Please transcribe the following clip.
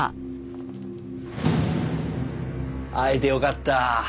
会えてよかった。